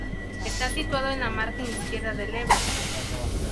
Está situado en la margen izquierda del Ebro.